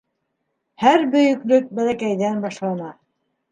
Һәр бөйөклөк бәләкәйҙән башлана.